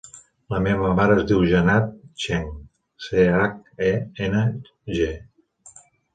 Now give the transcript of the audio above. La meva mare es diu Jannat Cheng: ce, hac, e, ena, ge.